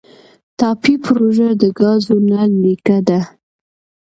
ټاپي پروژه د ګازو نل لیکه ده